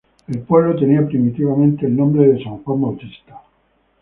El pueblo tenía primitivamente el nombre de San Juan Bautista.